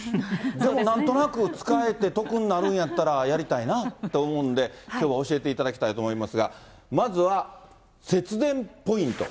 なんとなく使えて、得になるんやったら、やりたいなって思うんで、きょうは教えていただきたいと思いますが、まずは、節電ポイント。